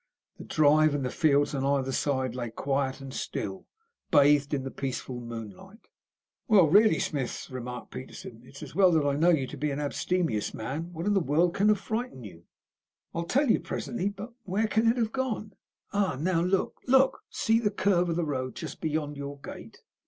The drive and the fields on either side lay quiet and still, bathed in the peaceful moonlight. "Well, really, Smith," remarked Peterson, "it is well that I know you to be an abstemious man. What in the world can have frightened you?" "I'll tell you presently. But where can it have gone? Ah, now look, look! See the curve of the road just beyond your gate."